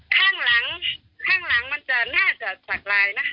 ข้างหลังข้างหลังมันจะน่าจะสักลายนะ